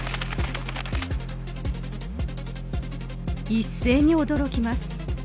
一斉に驚きます。